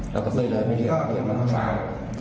แล้วก็ไปเลยไปเรียกน้องสาว